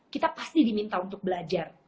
kita pasti diminta untuk belajar